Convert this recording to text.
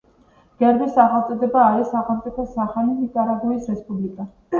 გერბის სახელწოდება არის სახელმწიფოს სახელი, ნიკარაგუის რესპუბლიკა.